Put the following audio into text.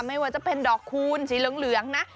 ไม่ว่าจะเป็นดอกคูณสีเหลืองนะ